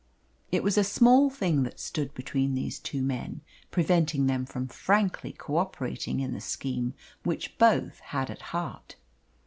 It was a small thing that stood between these two men, preventing them from frankly co operating in the scheme which both had at heart.